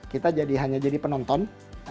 kita hanya jadi penonton